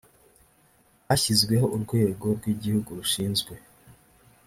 hashyizweho urwego rw igihugu rushinzwe